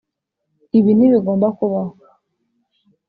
ibi ntibigomba kubaho.